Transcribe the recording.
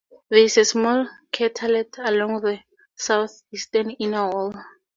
There is a small craterlet along the southeastern inner wall.